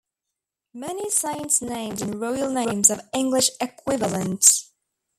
Many saints' names and royal names have English equivalents.